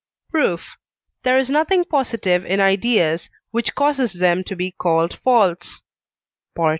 Proof. There is nothing positive in ideas, which causes them to be called false (II.